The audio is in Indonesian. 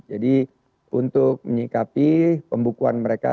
jadi untuk menikapi pembukuan mereka